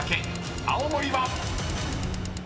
［青森は⁉］